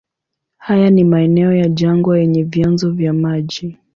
Haya ni maeneo ya jangwa yenye vyanzo vya maji.